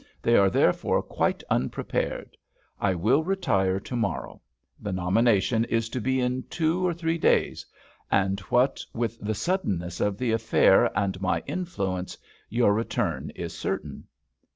They are therefore quite unprepared. I will retire to morrow; the nomination is to be in two or three days; and what with the suddenness of the affair and my influence, your return is certain."